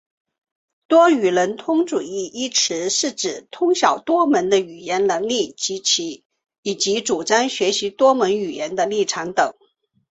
多语能通主义一词是指通晓多门语言的能力以及主张学习多门语言的立场等。